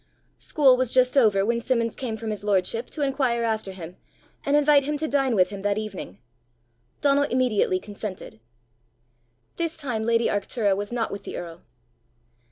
School was just over when Simmons came from his lordship, to inquire after him, and invite him to dine with him that evening. Donald immediately consented. This time lady Arctura was not with the earl.